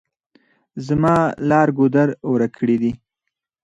زما لار ګودر ورک کړي دي.